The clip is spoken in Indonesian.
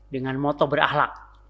dengan moto berahlak